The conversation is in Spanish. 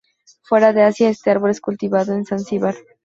Fuera de Asia, este árbol es cultivado en Zanzibar.